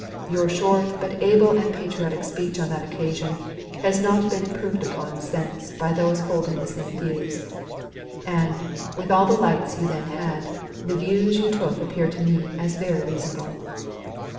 Your short but able and patriotic speech on that occasion has not been improved upon since by those holding the same views; and, with all the lights you then had, the views you took appear to me as very reasonable.